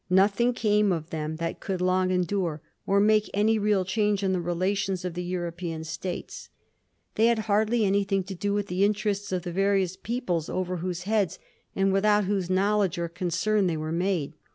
Nothing came of them that could long endure, or make any real change in the relations of the European States. They had hardly an3rthing to do with the interests of the various peoples over whose heads and without whose knowledge or con cern they were made.